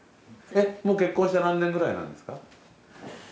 もう結婚して何年くらいなんですか？